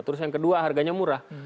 terus yang kedua harganya murah